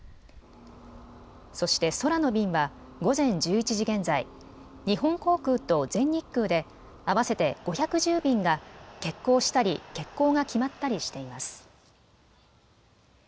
そして、空の便は午前１１時現在、日本航空と全日空で、合わせて５１０便が、欠航したり、欠航が決まったりしています。